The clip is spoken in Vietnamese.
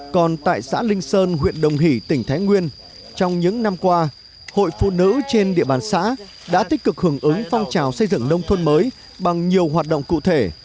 còn tại xã linh sơn huyện đồng hỷ tỉnh thái nguyên trong những năm qua hội phụ nữ trên địa bàn xã đã tích cực hưởng ứng phong trào xây dựng nông thôn mới bằng nhiều hoạt động cụ thể